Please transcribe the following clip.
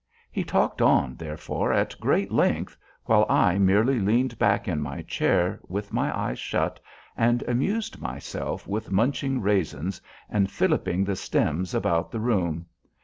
He talked on, therefore, at great length, while I merely leaned back in my chair with my eyes shut, and amused myself with munching raisins and filiping the stems about the room.